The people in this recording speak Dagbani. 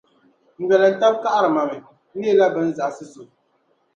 n dolintab’ kaɣiri ma mi, n leela bɛ ni zaɣisi so.